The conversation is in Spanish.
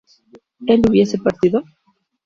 ¿él hubiese partido?